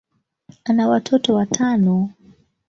ana watoto watano.